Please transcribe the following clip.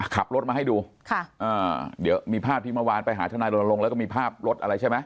ขับรถมาให้ดูค่ะอ่าเดี๋ยวมีภาพที่เมื่อวานไปหาทนายรณรงค์แล้วก็มีภาพรถอะไรใช่ไหม